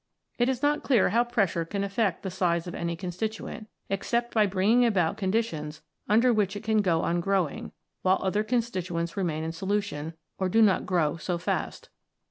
It is not clear how pressure can affect the size of any constituent, except by bringing about conditions under which it can go on growing, while other constituents remain in solution, or do not grow so fast.